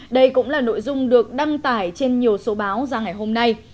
đây cũng là nội dung được đăng tải trên nhiều số báo ra ngày hôm nay